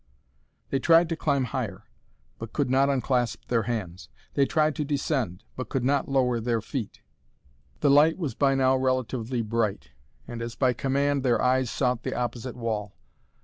They tried to climb higher, but could not unclasp their hands. They tried to descend, but could not lower their feet. The light was by now relatively bright, and as by command their eyes sought the opposite wall.